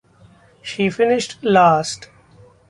She finished last.